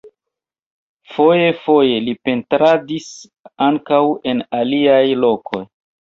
Foje-foje li pentradis ankaŭ en aliaj lokoj.